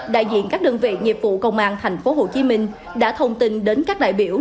đại diện các đơn vị nghiệp vụ công an tp hcm đã thông tin đến các đại biểu